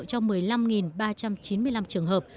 cho một mươi năm ba trăm chín mươi năm trường hợp